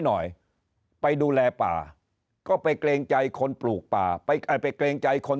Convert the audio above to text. หน่อยไปดูแลป่าก็ไปเกรงใจคนปลูกป่าไปไปเกรงใจคน